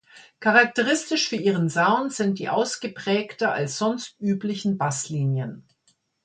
Charakteristisch für ihren Sound sind die ausgeprägter als sonst üblichen Basslinien.